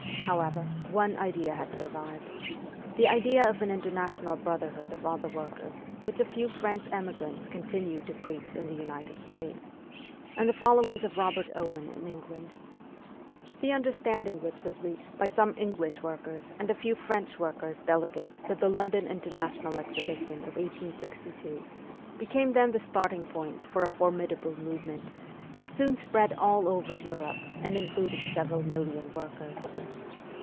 However, one idea had survived the idea of an international brotherhood of all the workers, which a few French emigrants continued to preach in the United States, and the followers of Kobert Owen in England. The understanding which was reached by some English workers and a few French workers' dele gates to the London International Exhibition of 1862 became then the starting point for a formidable move ment, which soon spread all over Europe, and included several million workers.